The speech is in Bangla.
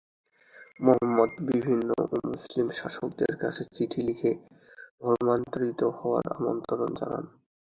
মুহাম্মদ বিভিন্ন অমুসলিম শাসকদের কাছে চিঠি লিখে ধর্মান্তরিত হওয়ার আমন্ত্রণ জানান।